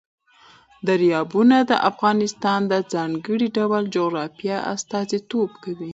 دریابونه د افغانستان د ځانګړي ډول جغرافیه استازیتوب کوي.